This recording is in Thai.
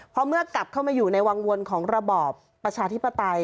เพราะเมื่อกลับเข้ามาอยู่ในวังวลของระบอบประชาธิปไตย